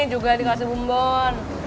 juga dikasih bumbon